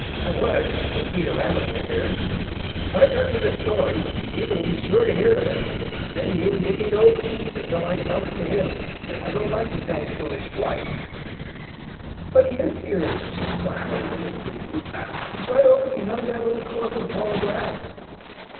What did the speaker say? I would, if Peter Rabbit were here. If I tell you the story, Peter will be sure to hear of it, and then he will give me no peace until I tell it to him, and I don't like to tell stories twice." "But he is here!" cried one of the Little Breezes. "He's right over behind that little clump of tall grass."